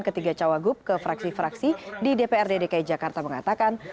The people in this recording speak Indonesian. ketiga cawagup ke fraksi fraksi di dprd dki jakarta mengatakan